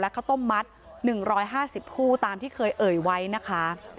และเขาต้มมัดหนึ่งร้อยห้าสิบคู่ตามที่เคยเอ่ยไว้นะคะ